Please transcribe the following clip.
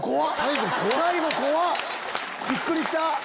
びっくりした！